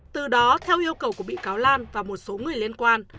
từ đó theo yêu cầu của bị cáo lan và một số người liên quan